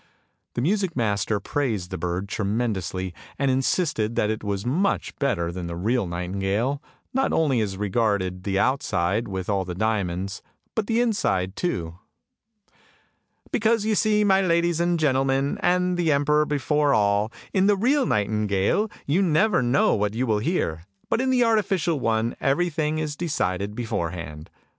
The music master praised the bird tremendously, and insisted that it was much better than the real nightingale, not only as regarded the outside with all the diamonds, but the inside too. " Because you see, my ladies and gentlemen, and the emperor before all, in the real nightingale you never know what you will hear, but in the artificial one everything is decided beforehand!